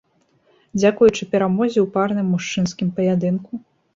Дзякуючы перамозе ў парным мужчынскім паядынку.